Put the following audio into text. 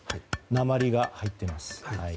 鉛が入っています。